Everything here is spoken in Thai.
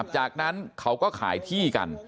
จากนั้นเขาก็ขายที่กัน